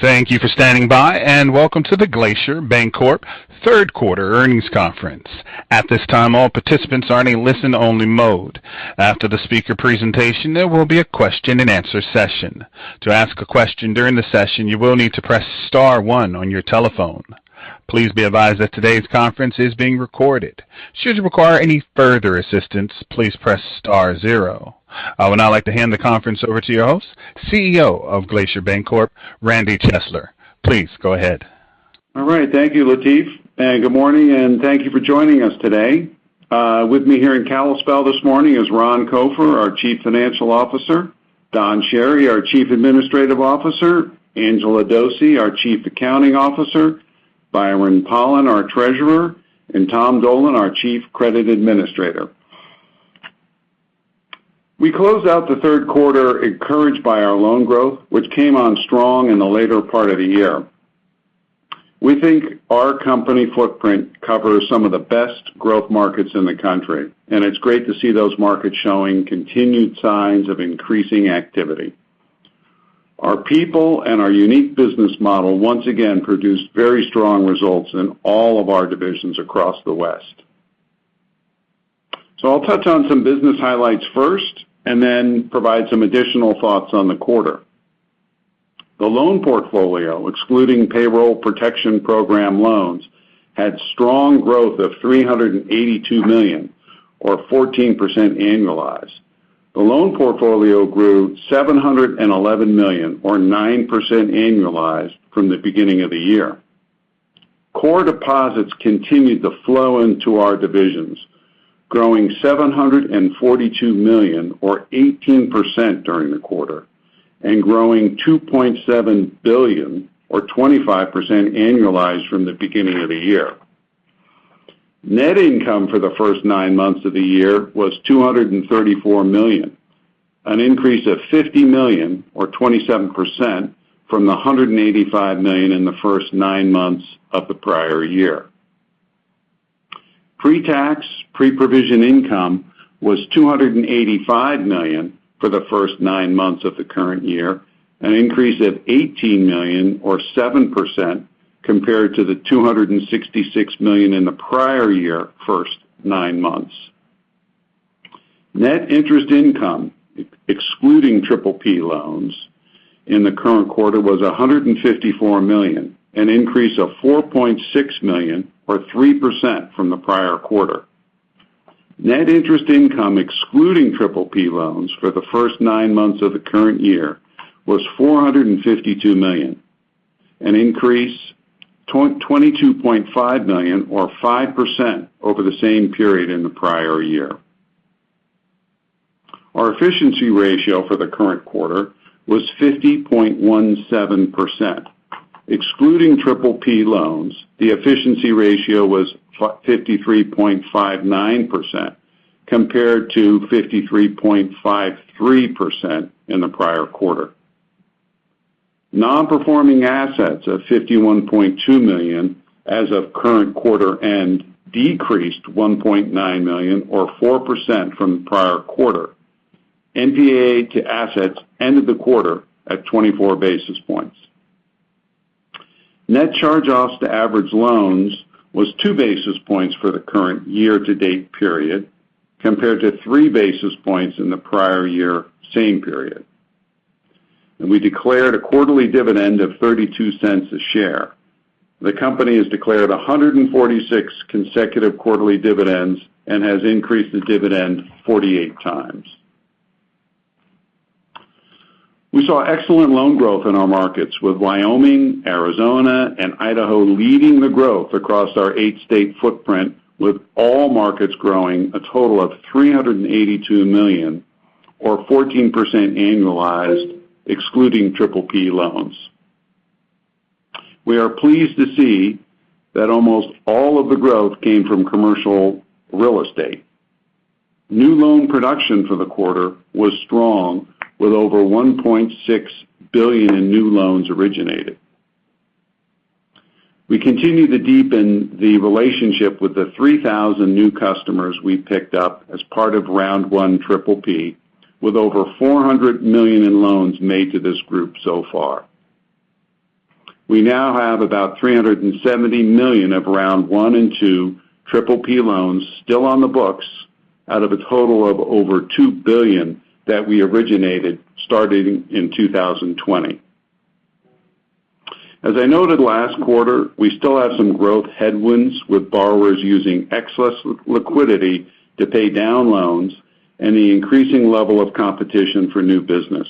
Thank you for standing by, and welcome to the Glacier Bancorp third quarter earnings conference. I would now like to hand the conference over to your host, CEO of Glacier Bancorp, Randy Chesler. Please go ahead. All right. Thank you, Lateef, and good morning, and thank you for joining us today. With me here in Kalispell this morning is Ron Copher, our Chief Financial Officer, Don Chery, our Chief Administrative Officer, Angela Dose, our Chief Accounting Officer, Byron Pollan, our Treasurer, and Tom Dolan, our Chief Credit Administrator. We closed out the third quarter encouraged by our loan growth, which came on strong in the later part of the year. We think our company footprint covers some of the best growth markets in the country, and it's great to see those markets showing continued signs of increasing activity. Our people and our unique business model once again produced very strong results in all of our divisions across the West. I'll touch on some business highlights first and then provide some additional thoughts on the quarter. The loan portfolio, excluding Paycheck Protection Program loans, had strong growth of $382 million, or 14% annualized. The loan portfolio grew $711 million, or 9% annualized from the beginning of the year. Core deposits continued to flow into our divisions, growing $742 million or 18% during the quarter, and growing $2.7 billion or 25% annualized from the beginning of the year. Net income for the first nine months of the year was $234 million, an increase of $50 million or 27% from the $185 million in the first nine months of the prior year. Pre-tax, pre-provision income was $285 million for the first nine months of the current year, an increase of $18 million or 7% compared to the $266 million in the prior year first nine months. Net interest income, excluding PPP loans in the current quarter, was $154 million, an increase of $4.6 million or 3% from the prior quarter. Net interest income excluding PPP loans for the first nine months of the current year was $452 million, an increase $22.5 million or 5% over the same period in the prior year. Our efficiency ratio for the current quarter was 50.17%. Excluding PPP loans, the efficiency ratio was 53.59% compared to 53.53% in the prior quarter. Non-performing assets of $51.2 million as of current quarter end decreased $1.9 million or 4% from the prior quarter. NPA to assets ended the quarter at 24 basis points. Net charge-offs to average loans was 2 basis points for the current year-to-date period, compared to 3 basis points in the prior year same period. We declared a quarterly dividend of $0.32 a share. The company has declared 146 consecutive quarterly dividends and has increased the dividend 48 times. We saw excellent loan growth in our markets with Wyoming, Arizona, and Idaho leading the growth across our eight-state footprint, with all markets growing a total of $382 million or 14% annualized, excluding PPP loans. We are pleased to see that almost all of the growth came from commercial real estate. New loan production for the quarter was strong with over $1.6 billion in new loans originated. We continue to deepen the relationship with the 3,000 new customers we picked up as part of round one PPP, with over $400 million in loans made to this group so far. We now have about $370 million of round one and two PPP loans still on the books out of a total of over $2 billion that we originated starting in 2020. As I noted last quarter, we still have some growth headwinds with borrowers using excess liquidity to pay down loans and the increasing level of competition for new business.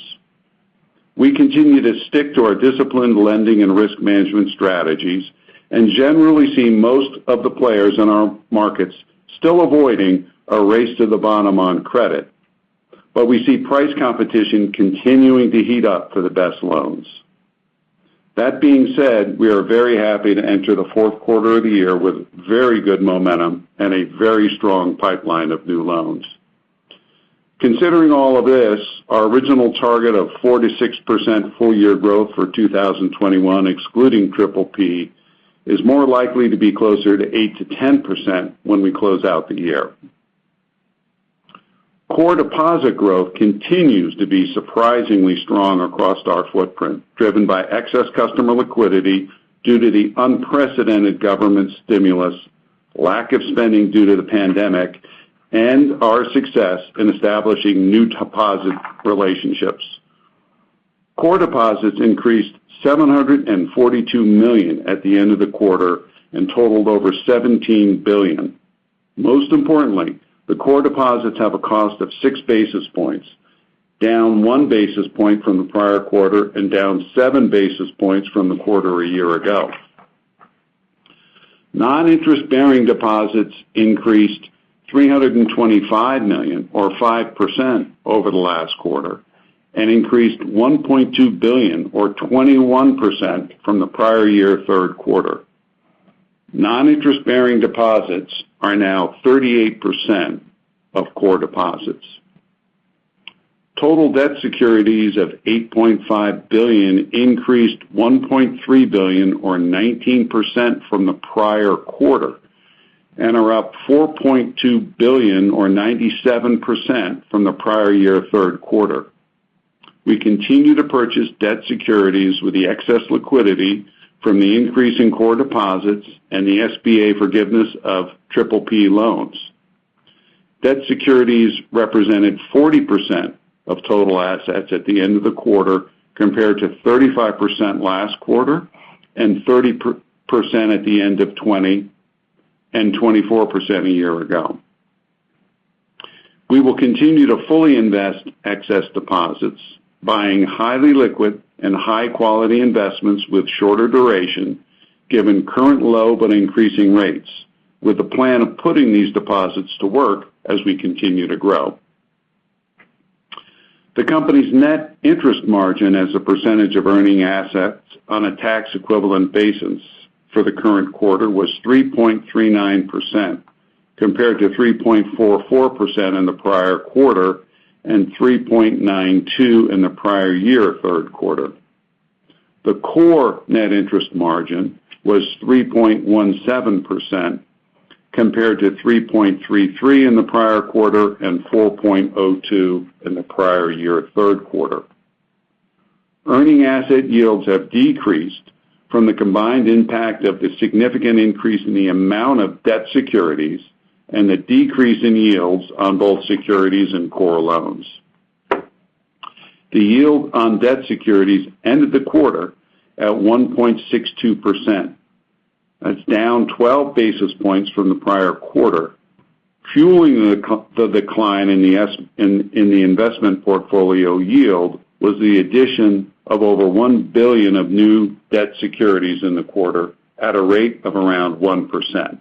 We continue to stick to our disciplined lending and risk management strategies and generally see most of the players in our markets still avoiding a race to the bottom on credit. We see price competition continuing to heat up for the best loans. That being said, we are very happy to enter the fourth quarter of the year with very good momentum and a very strong pipeline of new loans. Considering all of this, our original target of 4%-6% full year growth for 2021, excluding PPP, is more likely to be closer to 8%-10% when we close out the year. Core deposit growth continues to be surprisingly strong across our footprint, driven by excess customer liquidity due to the unprecedented government stimulus, lack of spending due to the pandemic, and our success in establishing new deposit relationships. Core deposits increased $742 million at the end of the quarter and totaled over $17 billion. Most importantly, the core deposits have a cost of 6 basis points, down 1 basis point from the prior quarter and down 7 basis points from the quarter a year ago. Non-interest-bearing deposits increased $325 million or 5% over the last quarter and increased $1.2 billion or 21% from the prior year third quarter. Non-interest-bearing deposits are now 38% of core deposits. Total debt securities of $8.5 billion increased $1.3 billion or 19% from the prior quarter and are up $4.2 billion or 97% from the prior year third quarter. We continue to purchase debt securities with the excess liquidity from the increase in core deposits and the SBA forgiveness of PPP loans. Debt securities represented 40% of total assets at the end of the quarter, compared to 35% last quarter and 30% at the end of 2020, and 24% a year ago. We will continue to fully invest excess deposits, buying highly liquid and high-quality investments with shorter duration, given current low but increasing rates, with the plan of putting these deposits to work as we continue to grow. The company's net interest margin as a percentage of earning assets on a tax-equivalent basis for the current quarter was 3.39%, compared to 3.44% in the prior quarter and 3.92% in the prior year third quarter. The core net interest margin was 3.17%, compared to 3.33% in the prior quarter and 4.02% in the prior year third quarter. Earning asset yields have decreased from the combined impact of the significant increase in the amount of debt securities and the decrease in yields on both securities and core loans. The yield on debt securities ended the quarter at 1.62%. That's down 12 basis points from the prior quarter. Fueling the decline in the investment portfolio yield was the addition of over $1 billion of new debt securities in the quarter at a rate of around 1%.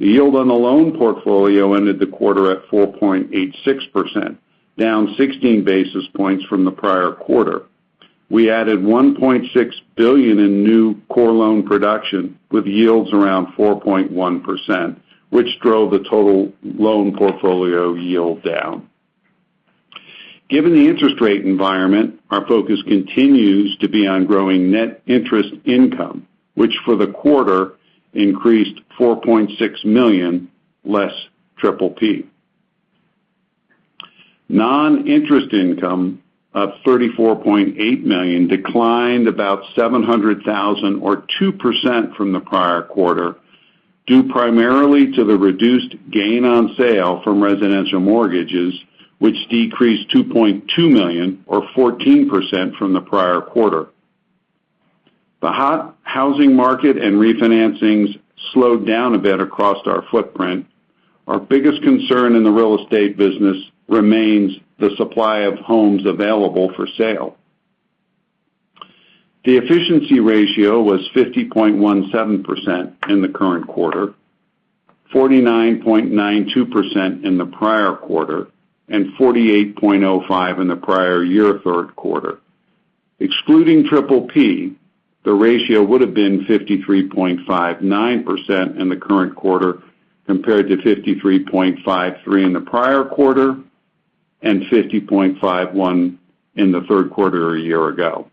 The yield on the loan portfolio ended the quarter at 4.86%, down 16 basis points from the prior quarter. We added $1.6 billion in new core loan production with yields around 4.1%, which drove the total loan portfolio yield down. Given the interest rate environment, our focus continues to be on growing net interest income, which for the quarter increased $4.6 million less PPP. Non-interest income of $34.8 million declined about $700,000 or 2% from the prior quarter, due primarily to the reduced gain on sale from residential mortgages, which decreased $2.2 million or 14% from the prior quarter. The housing market and refinancings slowed down a bit across our footprint. Our biggest concern in the real estate business remains the supply of homes available for sale. The efficiency ratio was 50.17% in the current quarter, 49.92% in the prior quarter, and 48.05% in the prior year third quarter. Excluding PPP, the ratio would have been 53.59% in the current quarter compared to 53.53% in the prior quarter and 50.51% in the third quarter a year ago.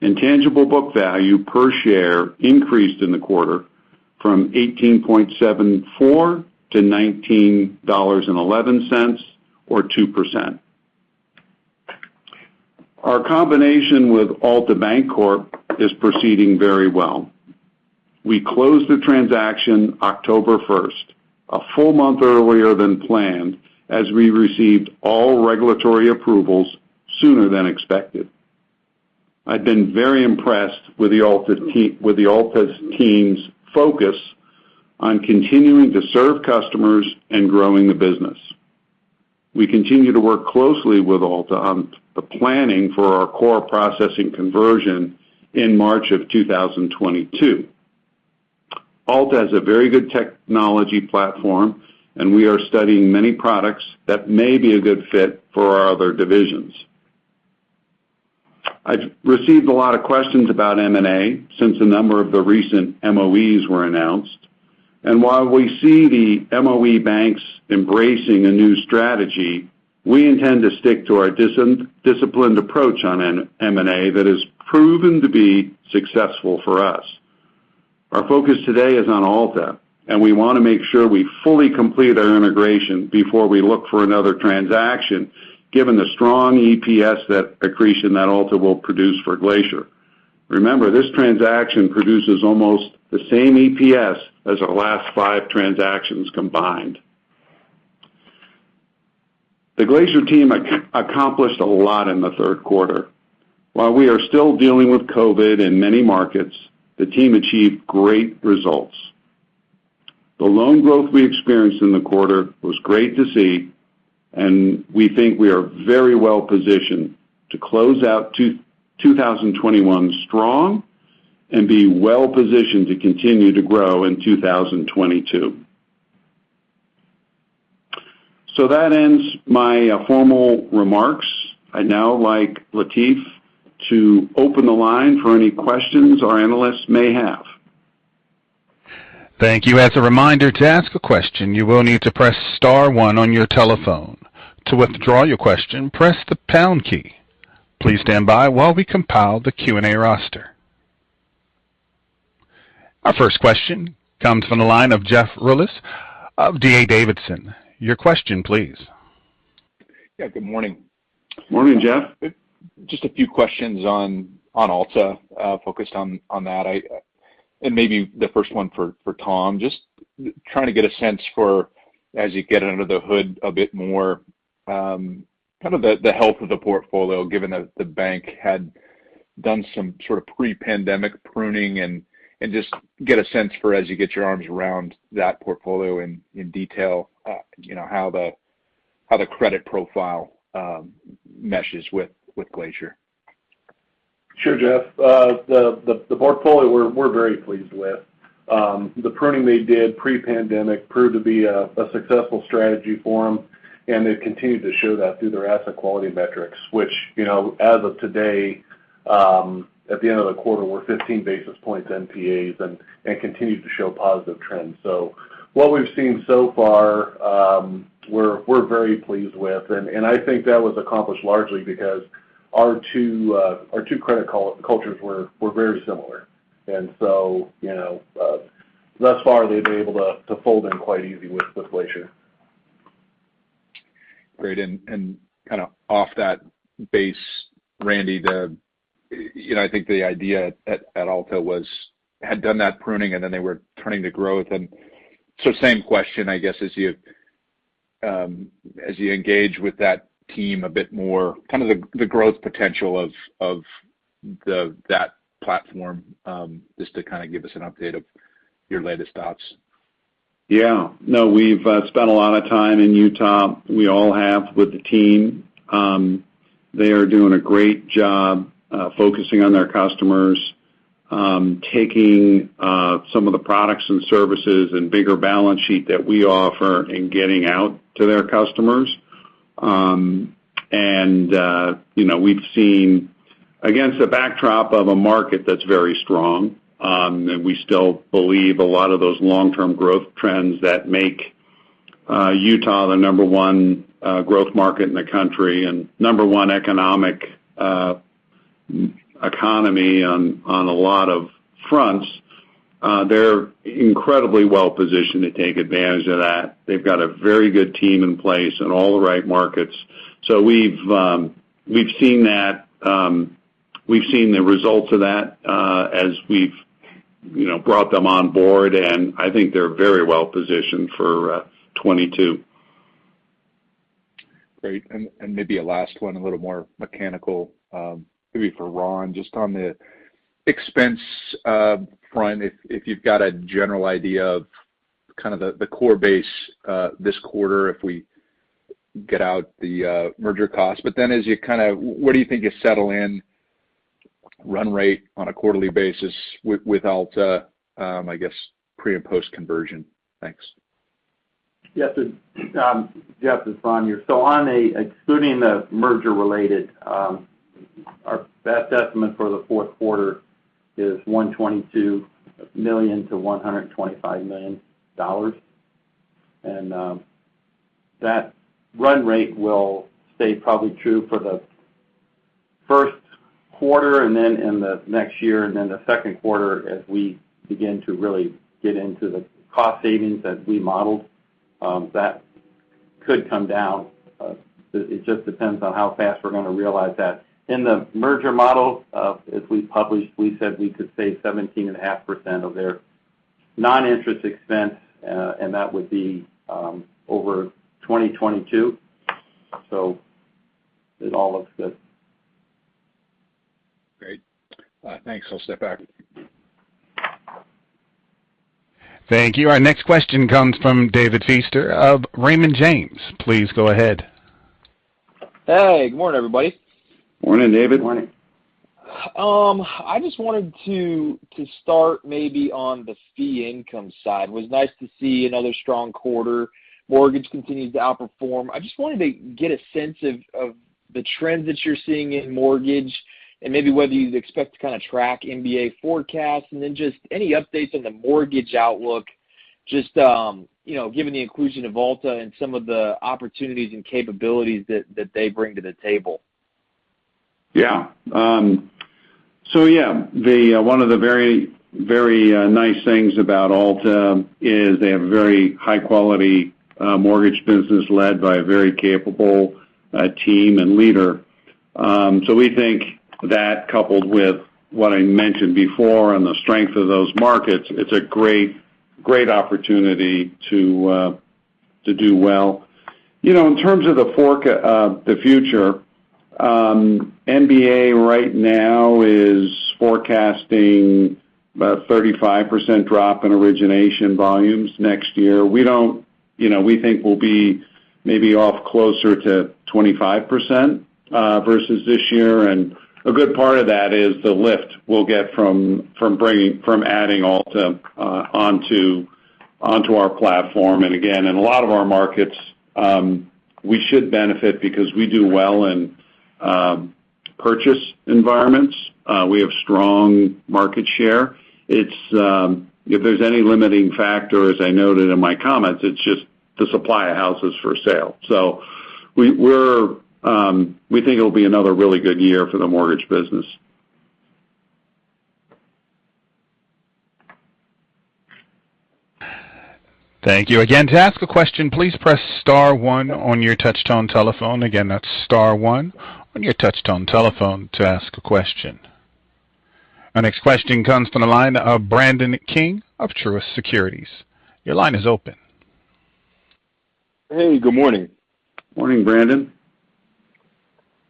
Intangible book value per share increased in the quarter from $18.74 to $19.11, or 2%. Our combination with Altabancorp is proceeding very well. We closed the transaction October first, a full month earlier than planned, as we received all regulatory approvals sooner than expected. I've been very impressed with the Alta team's focus on continuing to serve customers and growing the business. We continue to work closely with Alta on the planning for our core processing conversion in March of 2022. Alta has a very good technology platform, we are studying many products that may be a good fit for our other divisions. I've received a lot of questions about M&A since a number of the recent MOEs were announced. While we see the MOE banks embracing a new strategy, we intend to stick to our disciplined approach on M&A that has proven to be successful for us. Our focus today is on Alta, and we want to make sure we fully complete our integration before we look for another transaction, given the strong EPS accretion that Alta will produce for Glacier. Remember, this transaction produces almost the same EPS as our last five transactions combined. The Glacier team accomplished a lot in the third quarter. While we are still dealing with COVID in many markets, the team achieved great results. The loan growth we experienced in the quarter was great to see, and we think we are very well positioned to close out 2021 strong and be well positioned to continue to grow in 2022. That ends my formal remarks. I'd now like Lateef to open the line for any questions our analysts may have. Thank you, as a reminder, to ask a question, you will need to press star 1 on your telephone. To withdraw your question, press the pound key. Please stand by while we compile the Q&A roster. Our first question comes from the line of Jeffrey Rulis of D.A. Davidson. Your question, please. Yeah, good morning. Morning, Jeff. Just a few questions on Alta, focused on that. Maybe the first one for Tom. Just trying to get a sense for, as you get under the hood a bit more, the health of the portfolio, given that the bank had done some sort of pre-pandemic pruning, and just get a sense for, as you get your arms around that portfolio in detail, how the credit profile meshes with Glacier. Sure, Jeff. The portfolio, we're very pleased with. The pruning they did pre-pandemic proved to be a successful strategy for them, and they've continued to show that through their asset quality metrics, which, as of today, at the end of the quarter, were 15 basis points NPAs and continue to show positive trends. What we've seen so far, we're very pleased with, and I think that was accomplished largely because our two credit cultures were very similar. Thus far, they've been able to fold in quite easy with Glacier. Great. Kind of off that base, Randy, I think the idea at Alta was had done that pruning, and then they were turning to growth. Same question, I guess, as you engage with that team a bit more, kind of the growth potential of that platform, just to kind of give us an update of your latest thoughts. Yeah. No, we've spent a lot of time in Utah. We all have with the team. They are doing a great job focusing on their customers, taking some of the products and services and bigger balance sheet that we offer and getting out to their customers. We've seen, against a backdrop of a market that's very strong, and we still believe a lot of those long-term growth trends that make Utah the number one growth market in the country and number one economy on a lot of fronts, they're incredibly well-positioned to take advantage of that. They've got a very good team in place in all the right markets. We've seen the results of that as we've brought them on board, and I think they're very well-positioned for 2022. Great. Maybe a last one, a little more mechanical, maybe for Ron. Just on the expense front, if you've got a general idea of kind of the core base this quarter if we get out the merger cost. What do you think is settle in run rate on a quarterly basis with Alta, I guess, pre and post conversion? Thanks. Yes. Jeff, this is Ron here. Excluding the merger related, our best estimate for the fourth quarter is $122 million-$125 million. That run rate will stay probably true for the first quarter and then in the next year and then the second quarter as we begin to really get into the cost savings that we modeled. That could come down. It just depends on how fast we're going to realize that. In the merger model, as we published, we said we could save 17.5% of their non-interest expense, and that would be over 2022. It all looks good. Great. Thanks. I'll step back. Thank you. Our next question comes from David Feaster of Raymond James. Please go ahead. Hey, good morning, everybody. Morning, David. Morning. I just wanted to start maybe on the fee income side. It was nice to see another strong quarter. Mortgage continues to outperform. I just wanted to get a sense of the trends that you're seeing in mortgage and maybe whether you'd expect to kind of track MBA forecasts, then just any updates on the mortgage outlook, just given the inclusion of Alta and some of the opportunities and capabilities that they bring to the table. One of the very nice things about Alta is they have a very high-quality mortgage business led by a very capable team and leader. We think that, coupled with what I mentioned before and the strength of those markets, it's a great opportunity to do well. In terms of the future, MBA right now is forecasting about a 35% drop in origination volumes next year. We think we'll be maybe off closer to 25% versus this year. A good part of that is the lift we'll get from adding Alta onto our platform. Again, in a lot of our markets, we should benefit because we do well in purchase environments. We have strong market share. If there's any limiting factor, as I noted in my comments, it's just the supply of houses for sale. We think it'll be another really good year for the mortgage business. Our next question comes from the line of Brandon King of Truist Securities. Your line is open. Hey, good morning. Morning, Brandon.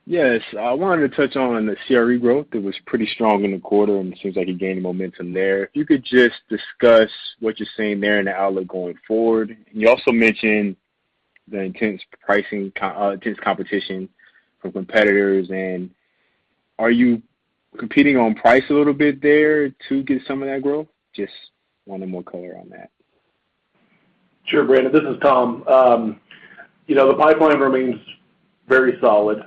Yes, I wanted to touch on the CRE growth. It was pretty strong in the quarter, and it seems like you gained momentum there. If you could just discuss what you're seeing there and the outlook going forward. You also mentioned the intense competition from competitors. Are you competing on price a little bit there to get some of that growth? Just wanted more color on that. Sure, Brandon. This is Tom. The pipeline remains very solid.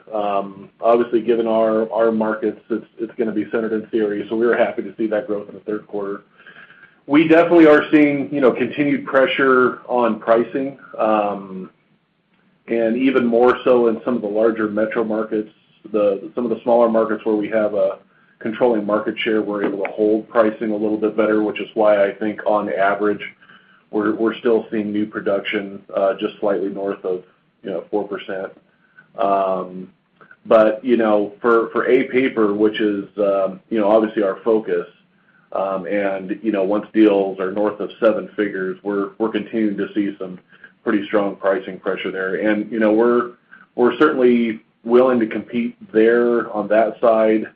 Obviously, given our markets, it's going to be centered in CRE. We were happy to see that growth in the third quarter. We definitely are seeing continued pressure on pricing, even more so in some of the larger metro markets. Some of the smaller markets where we have a controlling market share, we're able to hold pricing a little bit better, which is why I think on average, we're still seeing new production just slightly north of 4%. For A paper, which is obviously our focus, and once deals are north of seven figures, we're continuing to see some pretty strong pricing pressure there. We're certainly willing to compete there on that side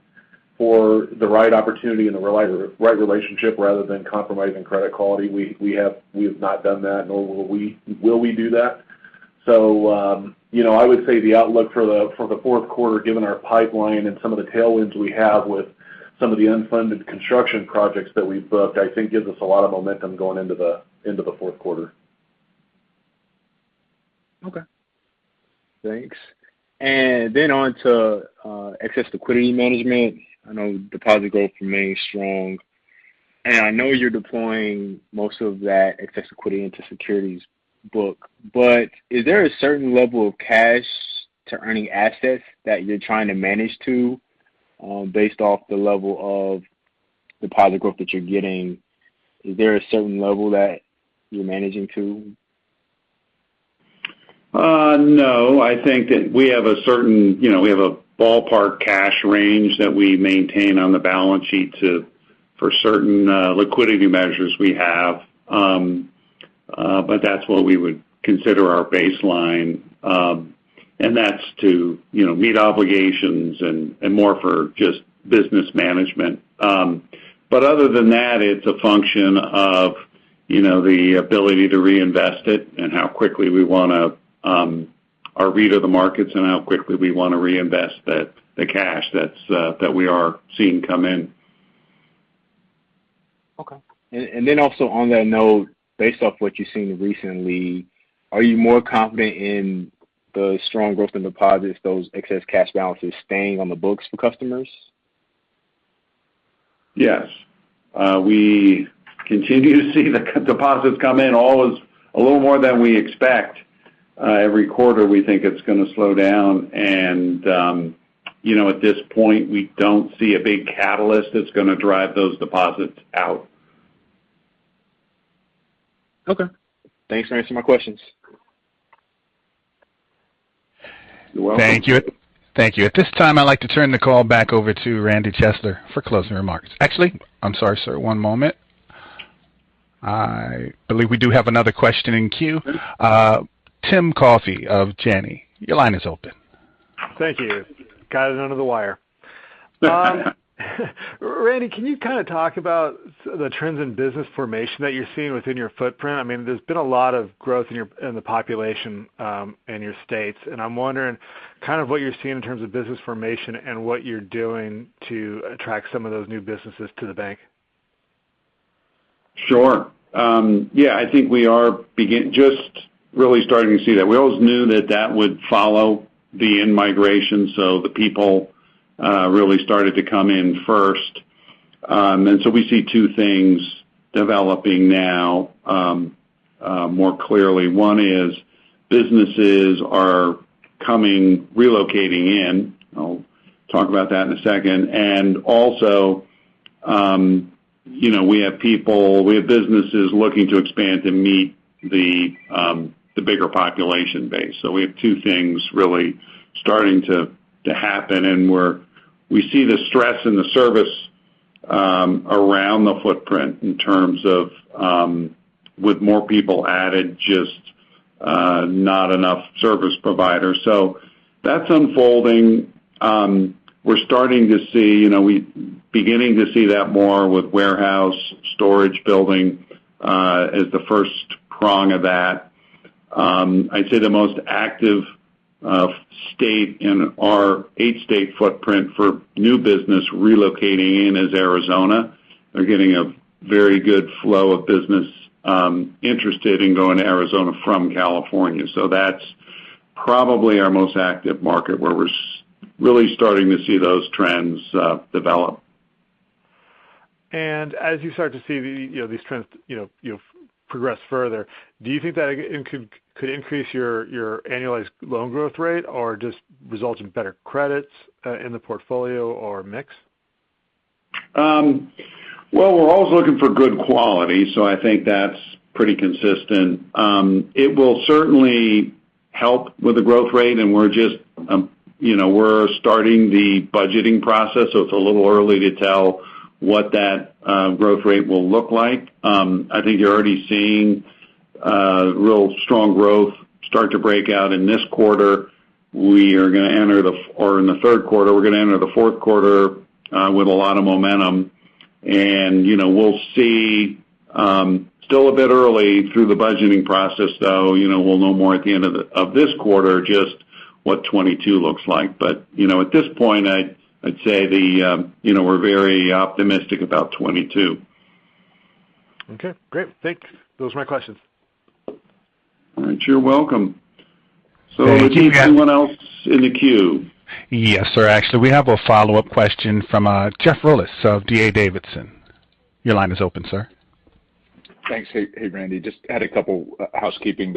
for the right opportunity and the right relationship rather than compromising credit quality. We have not done that, nor will we do that. I would say the outlook for the fourth quarter, given our pipeline and some of the tailwinds we have with some of the unfunded construction projects that we've booked, I think gives us a lot of momentum going into the fourth quarter. Okay, thanks. Then on to excess liquidity management. I know deposit growth remains strong, and I know you're deploying most of that excess liquidity into securities book. Is there a certain level of cash to earning assets that you're trying to manage to based off the level of deposit growth that you're getting? Is there a certain level that you're managing to? No. I think that we have a ballpark cash range that we maintain on the balance sheet for certain liquidity measures we have. That's what we would consider our baseline. That's to meet obligations and more for just business management. Other than that, it's a function of the ability to reinvest it and our read of the markets and how quickly we want to reinvest the cash that we are seeing come in. Then also on that note, based off what you've seen recently, are you more confident in the strong growth in deposits, those excess cash balances staying on the books for customers? Yes. We continue to see the deposits come in always a little more than we expect. Every quarter, we think it's going to slow down. At this point, we don't see a big catalyst that's going to drive those deposits out. Okay. Thanks for answering my questions. You're welcome. Thank you. At this time, I'd like to turn the call back over to Randy Chesler for closing remarks. Actually, I'm sorry, sir. One moment. I believe we do have another question in queue. Tim Coffey of Janney, your line is open. Thank you. Got it under the wire. Randy, can you kind of talk about the trends in business formation that you're seeing within your footprint? There's been a lot of growth in the population in your states. I'm wondering kind of what you're seeing in terms of business formation and what you're doing to attract some of those new businesses to the bank. Sure. Yeah, I think we are just really starting to see that. We always knew that that would follow the in-migration. The people really started to come in first. We see two things developing now more clearly. One is businesses are relocating in, I'll talk about that in a second, and also we have businesses looking to expand to meet the bigger population base. We have two things really starting to happen, and we see the stress in the service around the footprint in terms of with more people added, just not enough service providers. That's unfolding. We're beginning to see that more with warehouse storage building as the first prong of that. I'd say the most active state in our eight-state footprint for new business relocating in is Arizona. We're getting a very good flow of business interested in going to Arizona from California. That's probably our most active market, where we're really starting to see those trends develop. As you start to see these trends progress further, do you think that could increase your annualized loan growth rate or just result in better credits in the portfolio or mix? Well, we're always looking for good quality, so I think that's pretty consistent. It will certainly help with the growth rate, and we're starting the budgeting process, so it's a little early to tell what that growth rate will look like. I think you're already seeing real strong growth start to break out in this quarter. We're going to enter the fourth quarter with a lot of momentum. We'll see still a bit early through the budgeting process, though we'll know more at the end of this quarter, just what 2022 looks like. At this point, I'd say we're very optimistic about 2022. Okay, great. Thanks. Those are my questions. All right. You're welcome. Hey, Keith. Is there anyone else in the queue? Yes, sir. Actually, we have a follow-up question from Jeffrey Rulis of D.A. Davidson. Your line is open, sir. Thanks. Hey, Randy. Just had a couple housekeeping,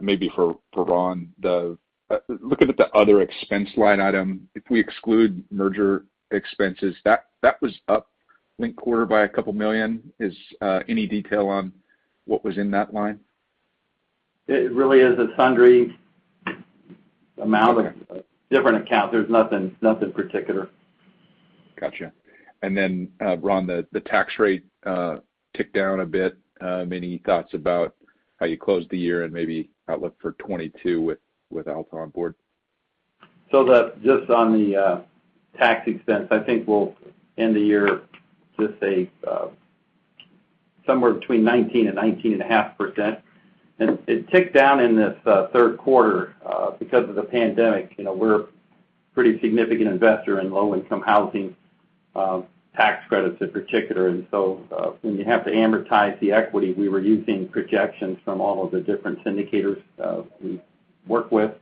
maybe for Ron. Looking at the other expense line item, if we exclude merger expenses, that was up linked quarter by $2 million. Is any detail on what was in that line? It really is a sundry amount of different accounts. There's nothing particular. Got you. Ron, the tax rate ticked down a bit. Any thoughts about how you closed the year and maybe outlook for 2022 with Altabancorp on board? Just on the tax expense, I think we'll end the year with a somewhere between 19% and 19.5%. It ticked down in this third quarter because of the pandemic. We're a pretty significant investor in Low-Income Housing Tax Credit in particular. When you have to amortize the equity, we were using projections from all of the different syndicators we work with.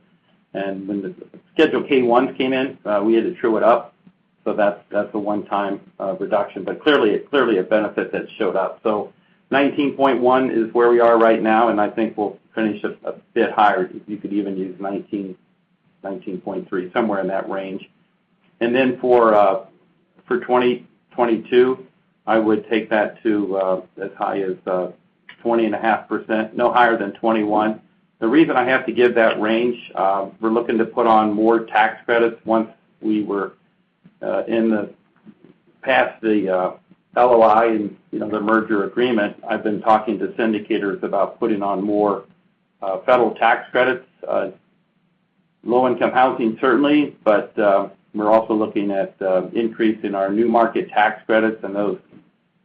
When the Schedule K-1s came in, we had to true it up. That's a one-time reduction, but clearly a benefit that showed up. 19.1% is where we are right now, and I think we'll finish a bit higher. You could even use 19%, 19.3%, somewhere in that range. For 2022, I would take that to as high as 20.5%, no higher than 21%. The reason I have to give that range, we're looking to put on more tax credits once we were in the past the LOI and the merger agreement. I've been talking to syndicators about putting on more federal tax credits. Low-Income Housing, certainly, but we're also looking at increasing our New Markets Tax Credit and those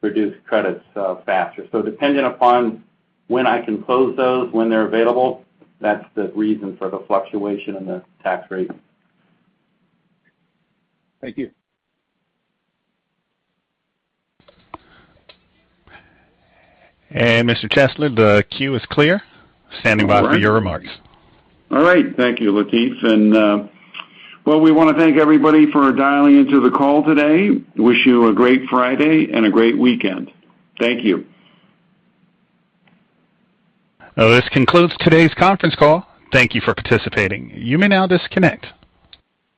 reduced credits faster. Dependent upon when I can close those, when they're available, that's the reason for the fluctuation in the tax rate. Thank you. Mr. Chesler, the queue is clear. Standing by for your remarks. All right. Thank you, Lateef. Well, we want to thank everybody for dialing into the call today. Wish you a great Friday and a great weekend. Thank you. This concludes today's conference call. Thank you for participating. You may now disconnect.